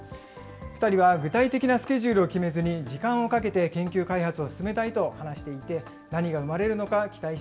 ２人は具体的なスケジュールを決めずに、時間をかけて研究開発を進めたいと話していて、何が生まれるのか